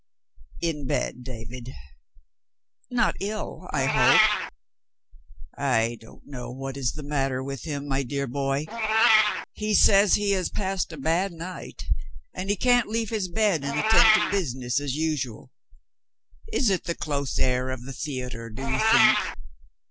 "In bed, David." "Not ill, I hope?" "I don't know what is the matter with him, my dear boy. He says he has passed a bad night, and he can't leave his bed and attend to business as usual. Is it the close air of the theater, do you think?"